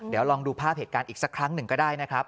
เดี๋ยวลองดูภาพเหตุการณ์อีกสักครั้งหนึ่งก็ได้นะครับ